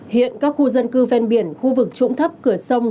hiện các khu dân cư ven biển khu vực trũng thấp cửa sông